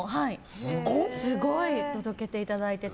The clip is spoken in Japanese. すごい、届けていただいていて。